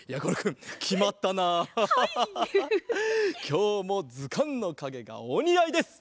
きょうもずかんのかげがおにあいです！